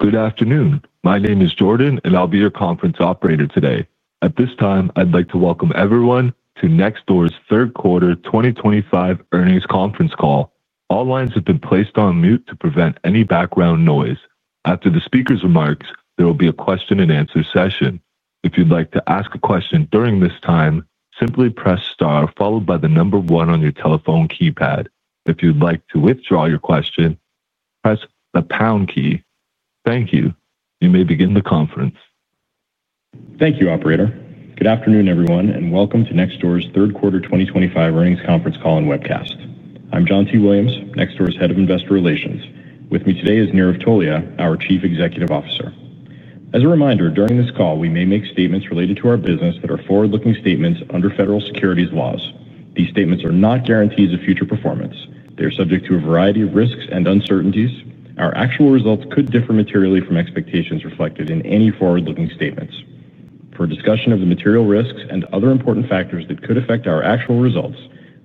Good afternoon. My name is Jordan, and I'll be your conference operator today. At this time, I'd like to welcome everyone to Nextdoor's third quarter 2025 earnings conference call. All lines have been placed on mute to prevent any background noise. After the speaker's remarks, there will be a question-and-answer session. If you'd like to ask a question during this time, simply press star followed by the number one on your telephone keypad. If you'd like to withdraw your question, press the pound key. Thank you. You may begin the conference. Thank you, Operator. Good afternoon, everyone, and welcome to Nextdoor's third quarter 2025 earnings conference call and webcast. I'm John T. Williams, Nextdoor's Head of Investor Relations. With me today is Nirav Tolia, our Chief Executive Officer. As a reminder, during this call, we may make statements related to our business that are forward-looking statements under federal securities laws. These statements are not guarantees of future performance. They are subject to a variety of risks and uncertainties. Our actual results could differ materially from expectations reflected in any forward-looking statements. For discussion of the material risks and other important factors that could affect our actual results,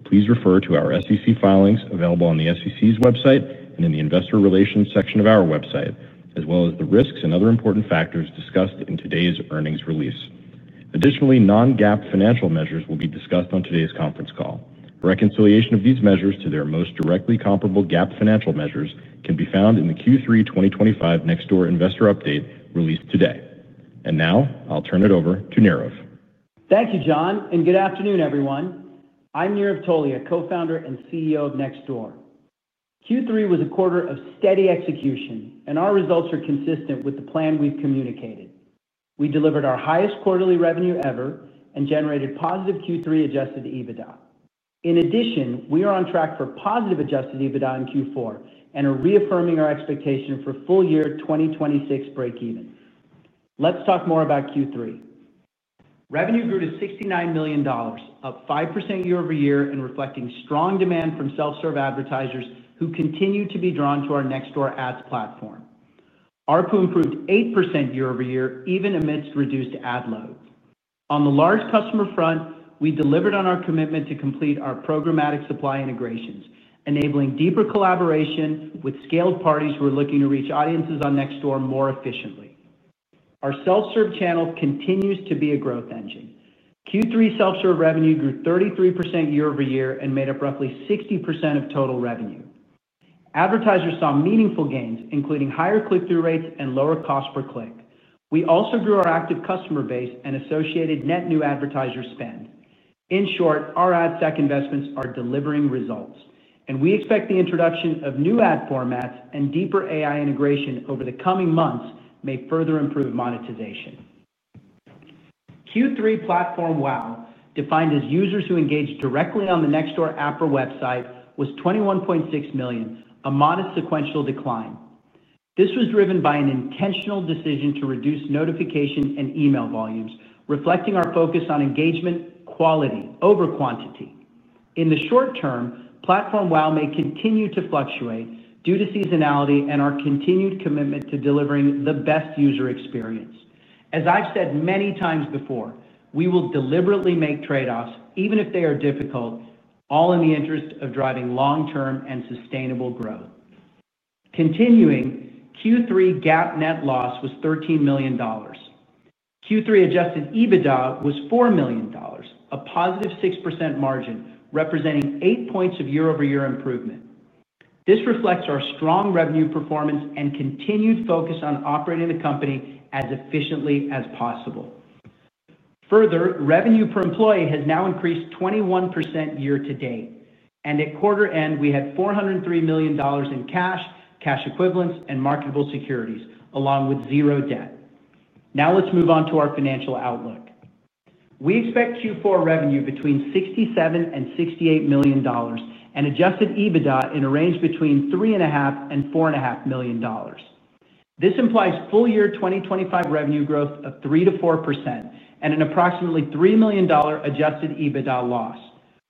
please refer to our SEC filings available on the SEC's website and in the investor relations section of our website, as well as the risks and other important factors discussed in today's earnings release. Additionally, non-GAAP financial measures will be discussed on today's conference call. Reconciliation of these measures to their most directly comparable GAAP financial measures can be found in the Q3 2025 Nextdoor investor update released today. I'll turn it over to Nirav. Thank you, John, and good afternoon, everyone. I'm Nirav Tolia, co-founder and CEO of Nextdoor. Q3 was a quarter of steady execution, and our results are consistent with the plan we've communicated. We delivered our highest quarterly revenue ever and generated positive Q3 Adjusted EBITDA. In addition, we are on track for positive Adjusted EBITDA in Q4 and are reaffirming our expectation for full year 2026 break-even. Let's talk more about Q3. Revenue grew to $69 million, up 5% year-over-year, and reflecting strong demand from self-serve advertisers who continue to be drawn to our Nextdoor ads platform. Our pool improved 8% year-over-year, even amidst reduced ad load. On the large customer front, we delivered on our commitment to complete our programmatic supply integrations, enabling deeper collaboration with scaled parties who are looking to reach audiences on Nextdoor more efficiently. Our self-serve channel continues to be a growth engine. Q3 self-serve revenue grew 33% year-over-year and made up roughly 60% of total revenue. Advertisers saw meaningful gains, including higher click-through rates and lower cost per click. We also grew our active customer base and associated net new advertiser spend. In short, our ad stack investments are delivering results, and we expect the introduction of new ad formats and deeper AI integration over the coming months may further improve monetization. Q3 platform WOW, defined as users who engage directly on the Nextdoor app or website, was 21.6 million, a modest sequential decline. This was driven by an intentional decision to reduce notification and email volumes, reflecting our focus on engagement, quality over quantity. In the short term, platform WOW may continue to fluctuate due to seasonality and our continued commitment to delivering the best user experience. As I've said many times before, we will deliberately make trade-offs, even if they are difficult, all in the interest of driving long-term and sustainable growth. Continuing, Q3 GAAP net loss was $13 million. Q3 Adjusted EBITDA was $4 million, a positive 6% margin representing 8 points of year-over-year improvement. This reflects our strong revenue performance and continued focus on operating the company as efficiently as possible. Further, revenue per employee has now increased 21% year-to-date, and at quarter end, we had $403 million in cash, cash equivalents, and marketable securities, along with zero debt. Now, let's move on to our financial outlook. We expect Q4 revenue between $67 million and $68 million and adjusted EBITDA in a range between $3.5 million and $4.5 million. This implies full year 2025 revenue growth of 3%-4% and an approximately $3 million Adjusted EBITDA loss.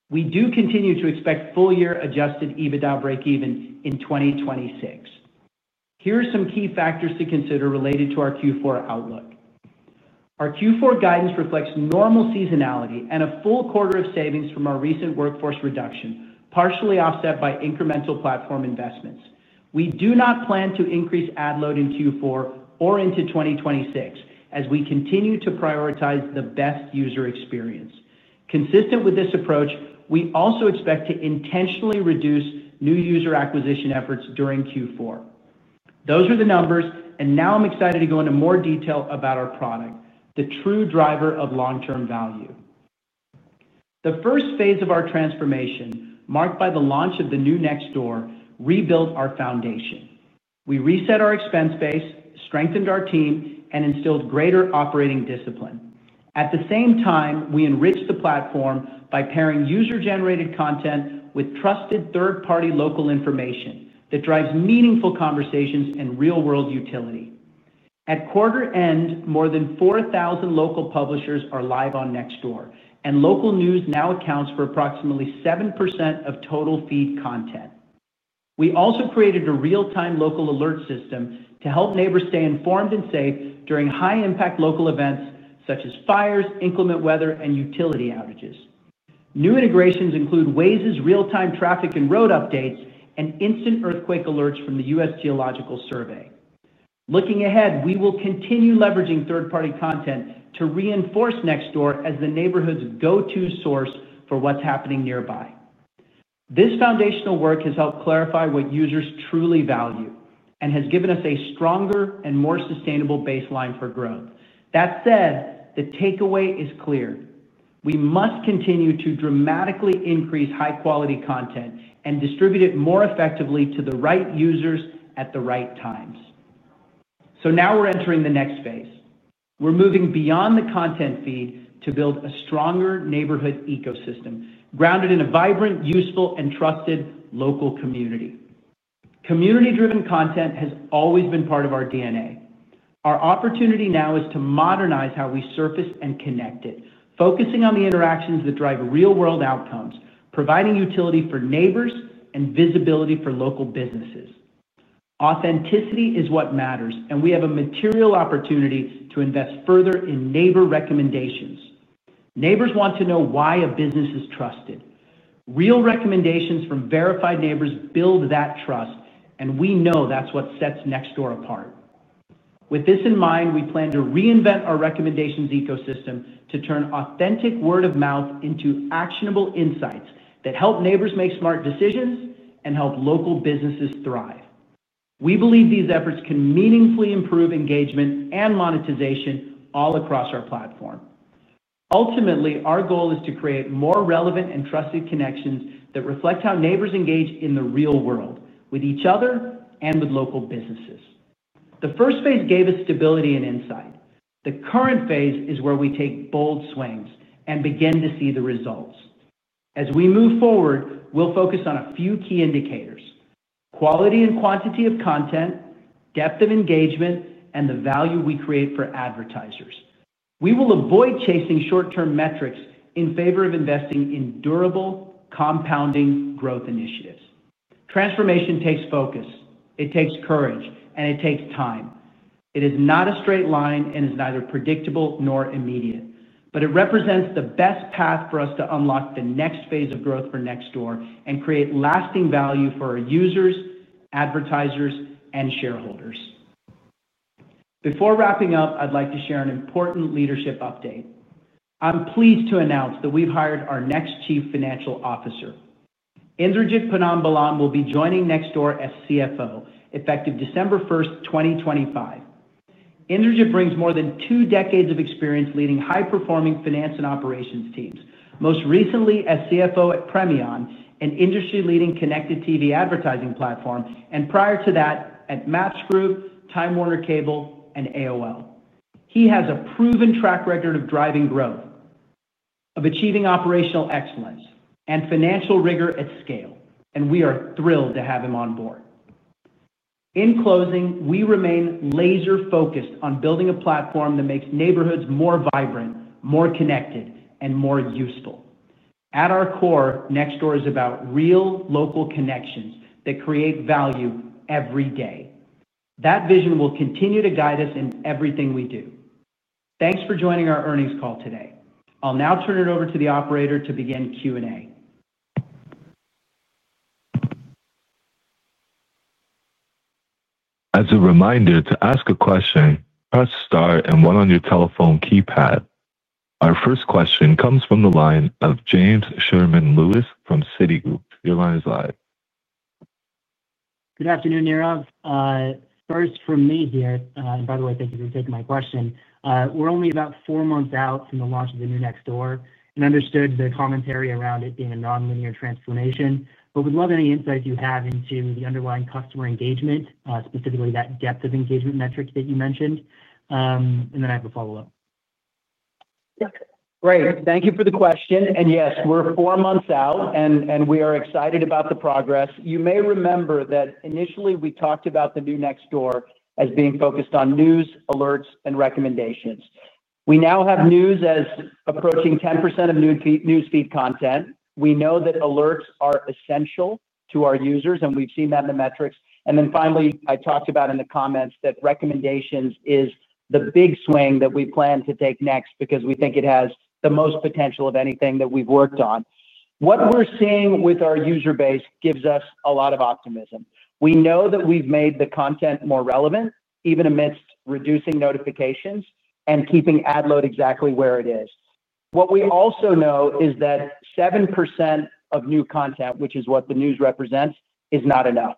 We do continue to expect full year Adjusted EBITDA break-even in 2026. Here are some key factors to consider related to our Q4 outlook. Our Q4 guidance reflects normal seasonality and a full quarter of savings from our recent workforce reduction, partially offset by incremental platform investments. We do not plan to increase ad load in Q4 or into 2026, as we continue to prioritize the best user experience. Consistent with this approach, we also expect to intentionally reduce new user acquisition efforts during Q4. Those are the numbers, and now I'm excited to go into more detail about our product, the true driver of long-term value. The first phase of our transformation, marked by the launch of the new Nextdoor, rebuilt our foundation. We reset our expense base, strengthened our team, and instilled greater operating discipline. At the same time, we enriched the platform by pairing user-generated content with trusted third-party local information that drives meaningful conversations and real-world utility. At quarter end, more than 4,000 local publishers are live on Nextdoor, and local news now accounts for approximately 7% of total feed content. We also created a real-time local alert system to help neighbors stay informed and safe during high-impact local events such as fires, inclement weather, and utility outages. New integrations include Waze's real-time traffic and road updates and instant earthquake alerts from the U.S. Geological Survey. Looking ahead, we will continue leveraging third-party content to reinforce Nextdoor as the neighborhood's go-to source for what's happening nearby. This foundational work has helped clarify what users truly value and has given us a stronger and more sustainable baseline for growth. That said, the takeaway is clear: we must continue to dramatically increase high-quality content and distribute it more effectively to the right users at the right times. Now we're entering the next phase. We're moving beyond the content feed to build a stronger neighborhood ecosystem grounded in a vibrant, useful, and trusted local community. Community-driven content has always been part of our DNA. Our opportunity now is to modernize how we surface and connect it, focusing on the interactions that drive real-world outcomes, providing utility for neighbors and visibility for local businesses. Authenticity is what matters, and we have a material opportunity to invest further in neighbor recommendations. Neighbors want to know why a business is trusted. Real recommendations from verified neighbors build that trust, and we know that's what sets Nextdoor apart. With this in mind, we plan to reinvent our recommendations ecosystem to turn authentic word-of-mouth into actionable insights that help neighbors make smart decisions and help local businesses thrive. We believe these efforts can meaningfully improve engagement and monetization all across our platform. Ultimately, our goal is to create more relevant and trusted connections that reflect how neighbors engage in the real world with each other and with local businesses. The first phase gave us stability and insight. The current phase is where we take bold swings and begin to see the results. As we move forward, we'll focus on a few key indicators: quality and quantity of content, depth of engagement, and the value we create for advertisers. We will avoid chasing short-term metrics in favor of investing in durable, compounding growth initiatives. Transformation takes focus. It takes courage, and it takes time. It is not a straight line and is neither predictable nor immediate, but it represents the best path for us to unlock the next phase of growth for Nextdoor and create lasting value for our users, advertisers, and shareholders. Before wrapping up, I'd like to share an important leadership update. I'm pleased to announce that we've hired our next Chief Financial Officer. Indrajit Ponnambalam will be joining Nextdoor as CFO, effective December 1, 2025. Indrajit brings more than two decades of experience leading high-performing finance and operations teams, most recently as CFO at Premion, an industry-leading connected TV advertising platform, and prior to that at Match Group, Time Warner Cable, and AOL. He has a proven track record of driving growth, of achieving operational excellence, and financial rigor at scale, and we are thrilled to have him on board. In closing, we remain laser-focused on building a platform that makes neighborhoods more vibrant, more connected, and more useful. At our core, Nextdoor is about real local connections that create value every day. That vision will continue to guide us in everything we do. Thanks for joining our earnings call today. I'll now turn it over to the Operator to begin Q&A. As a reminder to ask a question, press star and one on your telephone keypad. Our first question comes from the line of James Sherman Lewis from Citigroup. Your line is live. Good afternoon, Nirav. First, from me here, and by the way, thank you for taking my question. We're only about four months out from the launch of the new Nextdoor and understood the commentary around it being a non-linear transformation, but would love any insights you have into the underlying customer engagement, specifically that depth of engagement metric that you mentioned. I have a follow-up. Great. Thank you for the question. Yes, we're four months out, and we are excited about the progress. You may remember that initially we talked about the new Nextdoor as being focused on news, alerts, and recommendations. We now have news as approaching 10% of news feed content. We know that alerts are essential to our users, and we've seen that in the metrics. Finally, I talked about in the comments that recommendations is the big swing that we plan to take next because we think it has the most potential of anything that we've worked on. What we're seeing with our user base gives us a lot of optimism. We know that we've made the content more relevant, even amidst reducing notifications and keeping ad load exactly where it is. What we also know is that 7% of new content, which is what the news represents, is not enough.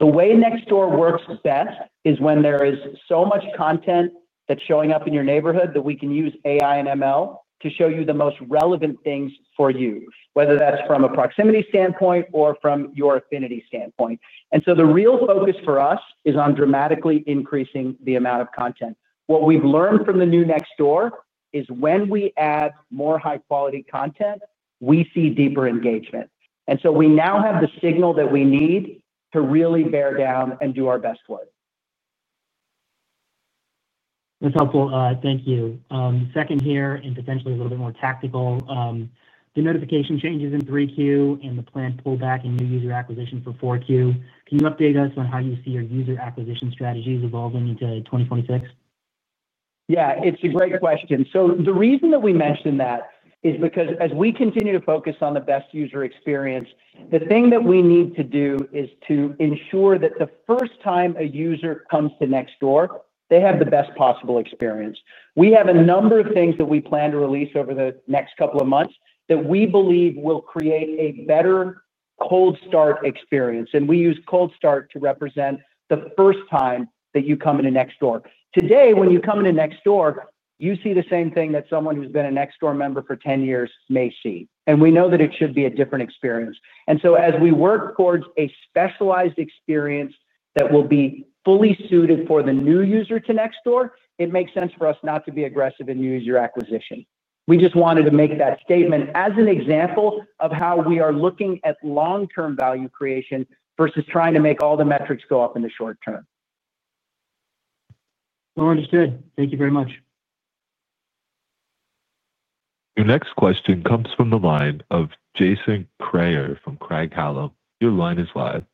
The way Nextdoor works best is when there is so much content that's showing up in your neighborhood that we can use AI and ML to show you the most relevant things for you, whether that's from a proximity standpoint or from your affinity standpoint. The real focus for us is on dramatically increasing the amount of content. What we've learned from the new Nextdoor is when we add more high-quality content, we see deeper engagement. We now have the signal that we need to really bear down and do our best work. That's helpful. Thank you. Second here, and potentially a little bit more tactical. The notification changes in 3Q and the planned pullback in new user acquisition for 4Q. Can you update us on how you see your user acquisition strategies evolving into 2026? Yeah, it's a great question. The reason that we mentioned that is because as we continue to focus on the best user experience, the thing that we need to do is to ensure that the first time a user comes to Nextdoor, they have the best possible experience. We have a number of things that we plan to release over the next couple of months that we believe will create a better cold start experience. We use cold start to represent the first time that you come into Nextdoor. Today, when you come into Nextdoor, you see the same thing that someone who's been a Nextdoor member for 10 years may see. We know that it should be a different experience. As we work towards a specialized experience that will be fully suited for the new user to Nextdoor, it makes sense for us not to be aggressive in new user acquisition. We just wanted to make that statement as an example of how we are looking at long-term value creation versus trying to make all the metrics go up in the short term. Understood. Thank you very much. Your next question comes from the line of Jason Priar from Craig-Hallum. Your line is live.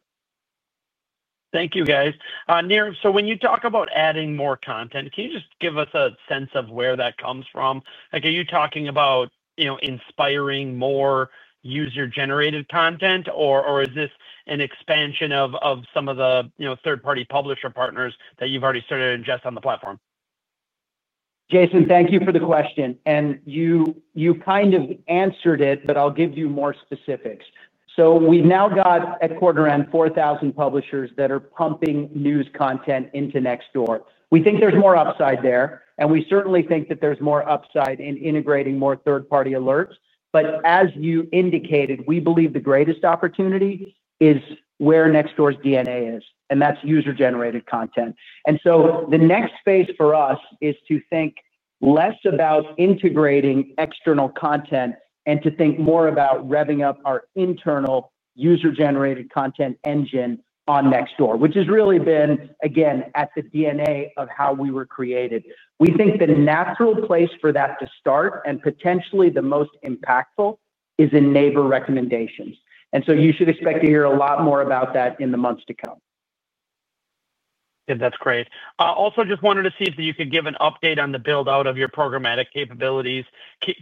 Thank you, guys. When you talk about adding more content, can you just give us a sense of where that comes from? Are you talking about inspiring more user-generated content, or is this an expansion of some of the third-party publisher partners that you've already started to ingest on the platform? Jason, thank you for the question. You kind of answered it, but I'll give you more specifics. We have now got at quarter end, 4,000 publishers that are pumping news content into Nextdoor. We think there is more upside there, and we certainly think that there is more upside in integrating more third-party alerts. As you indicated, we believe the greatest opportunity is where Nextdoor's DNA is, and that is user-generated content. The next phase for us is to think less about integrating external content and to think more about revving up our internal user-generated content engine on Nextdoor, which has really been, again, at the DNA of how we were created. We think the natural place for that to start and potentially the most impactful is in neighbor recommendations. You should expect to hear a lot more about that in the months to come. That's great. Also, just wanted to see if you could give an update on the build-out of your programmatic capabilities.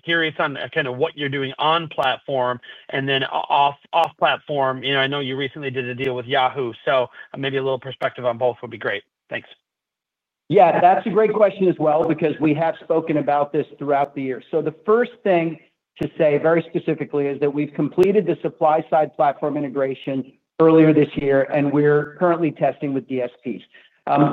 Curious on kind of what you're doing on platform and then off platform. I know you recently did a deal with Yahoo, so maybe a little perspective on both would be great. Thanks. Yeah, that's a great question as well because we have spoken about this throughout the year. The first thing to say very specifically is that we've completed the supply-side platform integration earlier this year, and we're currently testing with DSPs.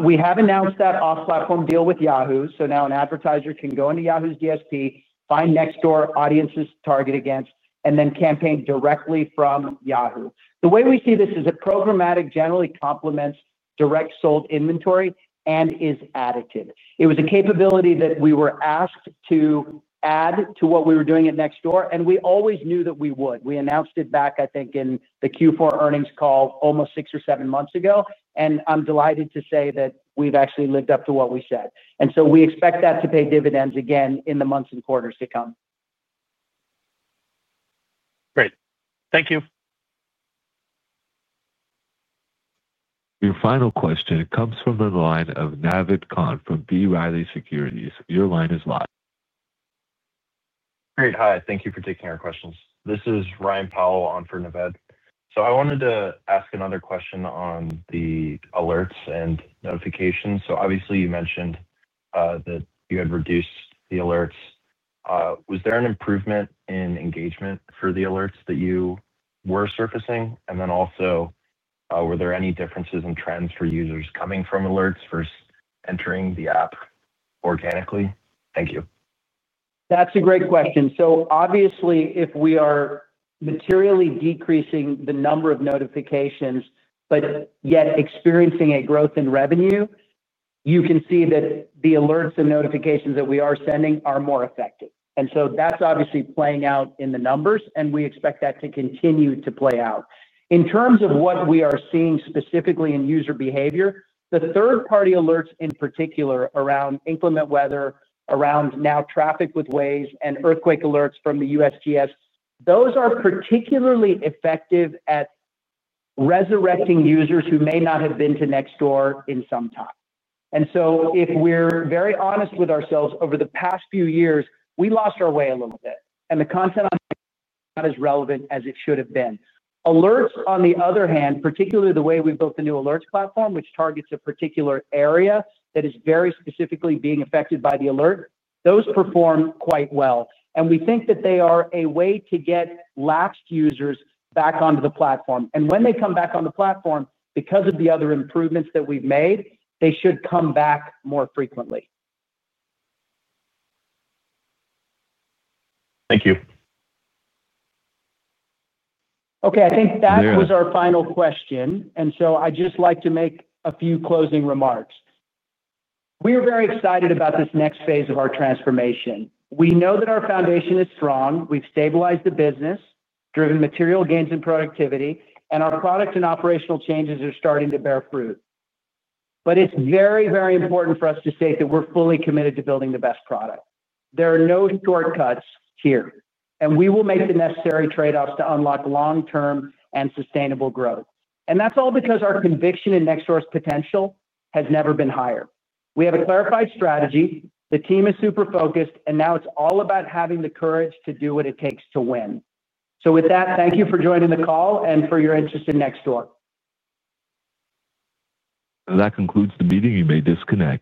We have announced that off-platform deal with Yahoo, so now an advertiser can go into Yahoo's DSP, find Nextdoor audiences to target against, and then campaign directly from Yahoo. The way we see this is that programmatic generally complements direct sold inventory and is additive. It was a capability that we were asked to add to what we were doing at Nextdoor, and we always knew that we would. We announced it back, I think, in the Q4 earnings call almost six or seven months ago, and I'm delighted to say that we've actually lived up to what we said. We expect that to pay dividends again in the months and quarters to come. Great. Thank you. Your final question comes from the line of Naved Kahn from B. Riley Securities. Your line is live. Great. Hi. Thank you for taking our questions. This is Ryan Powell on for Naved. I wanted to ask another question on the alerts and notifications. Obviously, you mentioned that you had reduced the alerts. Was there an improvement in engagement for the alerts that you were surfacing? Also, were there any differences in trends for users coming from alerts versus entering the app organically? Thank you. That's a great question. Obviously, if we are materially decreasing the number of notifications, but yet experiencing a growth in revenue, you can see that the alerts and notifications that we are sending are more effective. That's obviously playing out in the numbers, and we expect that to continue to play out. In terms of what we are seeing specifically in user behavior, the third-party alerts in particular around inclement weather, around now traffic with Waze, and earthquake alerts from the USGS, those are particularly effective at resurrecting users who may not have been to Nextdoor in some time. If we're very honest with ourselves, over the past few years, we lost our way a little bit, and the content on Nextdoor is not as relevant as it should have been. Alerts, on the other hand, particularly the way we built the new alerts platform, which targets a particular area that is very specifically being affected by the alert, those perform quite well. We think that they are a way to get lapsed users back onto the platform. When they come back on the platform, because of the other improvements that we've made, they should come back more frequently. Thank you. Okay. I think that was our final question. I’d just like to make a few closing remarks. We are very excited about this next phase of our transformation. We know that our foundation is strong. We’ve stabilized the business, driven material gains in productivity, and our product and operational changes are starting to bear fruit. It’s very, very important for us to state that we’re fully committed to building the best product. There are no shortcuts here, and we will make the necessary trade-offs to unlock long-term and sustainable growth. That’s all because our conviction in Nextdoor’s potential has never been higher. We have a clarified strategy. The team is super focused, and now it’s all about having the courage to do what it takes to win. Thank you for joining the call and for your interest in Nextdoor. That concludes the meeting. You may disconnect.